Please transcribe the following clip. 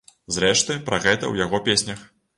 Зрэшты, пра гэта ў яго песнях.